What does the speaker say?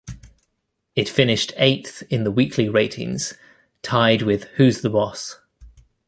It finished eighth in the weekly ratings, tied with Who's the Boss?